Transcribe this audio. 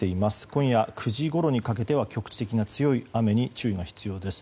今夜９時ごろにかけては局地的な強い雨に注意が必要です。